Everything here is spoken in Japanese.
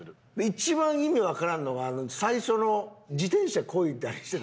一番意味わからんのが最初の自転車こいだりしてた何？